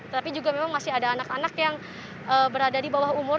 tetapi juga memang masih ada anak anak yang berada di bawah umur